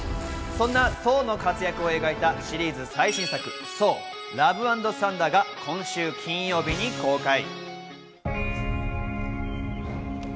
そんなソーの活躍を描いたシリーズ最新作『ソー：ラブ＆サンダー』が今週金曜日に公開。